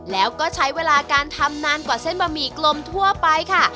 แล้วก็ใช้เวลาการทำนานกว่าเส้นบะหมี่กลมทั่วไปค่ะ